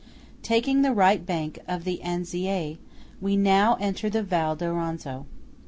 Taking the right bank of the Anziei, we now enter the Val d'Auronzo.